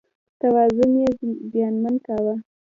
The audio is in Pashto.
توازن یې زیانمن کاوه.